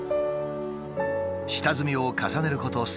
下積みを重ねること３年。